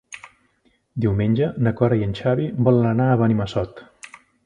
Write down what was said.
Diumenge na Cora i en Xavi volen anar a Benimassot.